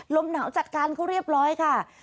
ลมหนาวจัดการเขาเรียบร้อยค่ะ